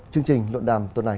chương trình luận đàm tuần này